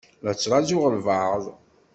La tettṛajuḍ albaɛḍ?